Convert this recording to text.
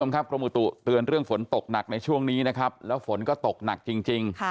ขอมูลตัวเตือนเรื่องฝนตกหนักไม่ช่วงนี้นะครับแล้วฝนก็ตกหนักจริง